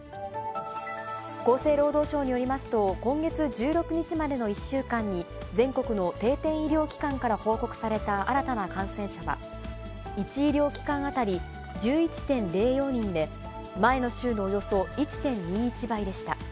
厚生労働省によりますと、今月１６日までの１週間に、全国の定点医療機関から報告された新たな感染者は、１医療機関当たり１１．０４人で、前の週のおよそ１．２１倍でした。